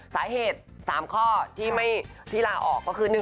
สาเหตุ๓ข้อที่ลาออกก็คือ